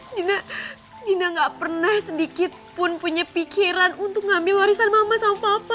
dina dina gak pernah sedikitpun punya pikiran untuk ngambil warisan mama sama papa